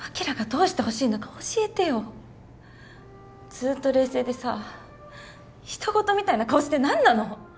ずっと冷静でさ人ごとみたいな顔して何なの？